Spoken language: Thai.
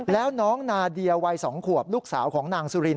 แล้วน้องนาเดียวัย๒ขวบลูกสาวของนางสุริน